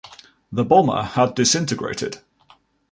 The bomber had disintegrated.